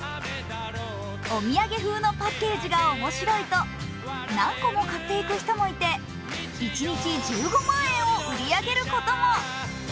お土産風のパッケージが面白いと何個も買っていく人もいて一日１５万円を売り上げることも。